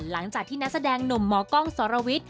หลังจากที่นักแสดงหนุ่มหมอกล้องสรวิทย